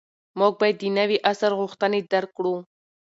موږ باید د نوي عصر غوښتنې درک کړو.